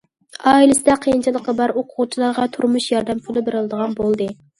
ئائىلىسىدە قىيىنچىلىقى بار ئوقۇغۇچىلارغا تۇرمۇش ياردەم پۇلى بېرىلىدىغان بولدى.